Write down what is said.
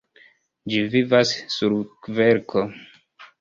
Ĝi vivas sur kverko.